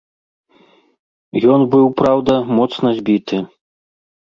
Ён быў, праўда, моцна збіты.